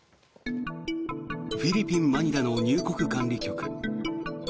フィリピン・マニラの入国管理局。